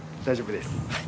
大丈夫です。